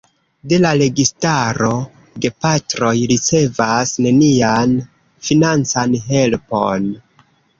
De la registaro gepatroj ricevas nenian financan helpon.